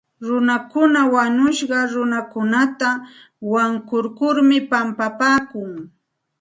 Runakuna wañushqa runakunata wankurkurmi pampapaakun.